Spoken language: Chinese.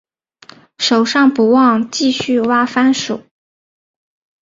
手上不忘继续挖番薯